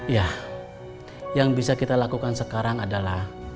ya yang bisa kita lakukan sekarang adalah